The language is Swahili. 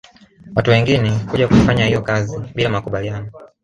Watu wengine kuja kuifanya hiyo kazi bila makubaliano